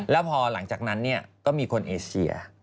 แล้วพอหลังจากนั้นก็มีคนเอเชีย